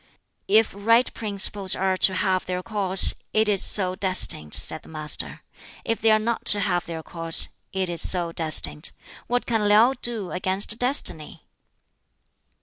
"If right principles are to have their course, it is so destined," said the Master; "if they are not to have their course, it is so destined. What can LiŠu do against Destiny?"